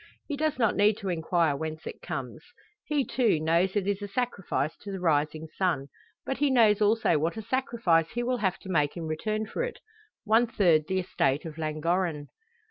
He does not need to inquire whence it comes. He, too, knows it is a sacrifice to the rising sun. But he knows also what a sacrifice he will have to make in return for it one third the estate of Llangorren.